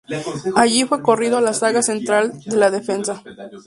Allí fue corrido a la zaga central de la defensa.